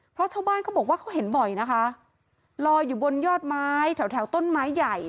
เพราะชาวบ้านเขาบอกว่าเขาเห็นบ่อยนะคะลอยอยู่บนยอดไม้แถวแถวต้นไม้ใหญ่